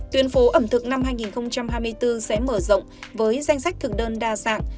tuyên phố ẩm thực năm hai nghìn hai mươi bốn sẽ mở rộng với danh sách thực đơn đa dạng